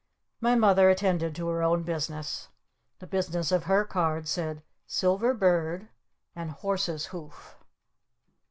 My Mother attended to her own business. The business of her card said "SILVER BIRD" and "HORSE'S HOOF."